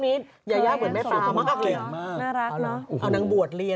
มีหลายเพลงครับพี่